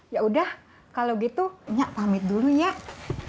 yaudah kalo gitu nyak pamit dulu nyak